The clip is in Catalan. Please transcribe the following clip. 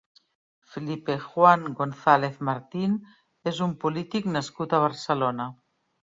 Felipe Juan González Martín és un polític nascut a Barcelona.